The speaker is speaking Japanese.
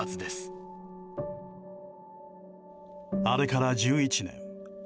あれから１１年。